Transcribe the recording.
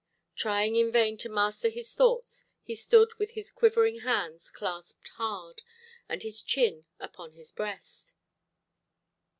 Trying in vain to master his thoughts, he stood with his quivering hands clasped hard, and his chin upon his breast.